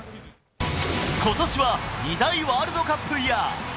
ことしは２大ワールドカップイヤー。